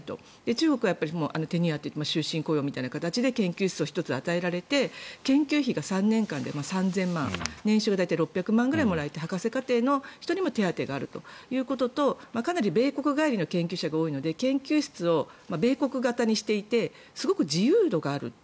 中国は終身雇用みたいな形で研究室を１つ与えられて研究費が３年間で３０００万年収が大体６００万ぐらいもらえて博士課程の人にも手当てがあるということとかなり米国帰りの研究者が多いので研究室を米国型にしていてすごく自由度がありました